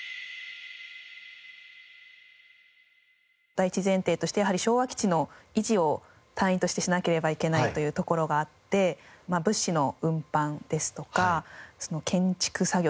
第一前提としてやはり昭和基地の維持を隊員としてしなければいけないというところがあって物資の運搬ですとか建築作業ですね